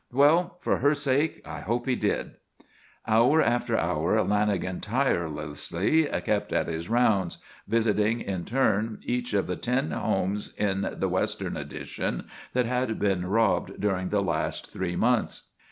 "Well, for her sake I hope he did." Hour after hour Lanagan, tirelessly, kept at his rounds, visiting in turn each of the ten homes in the western addition that had been robbed during the last three months.